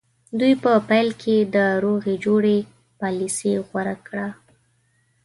دوی په پیل کې د روغې جوړې پالیسي غوره کړه.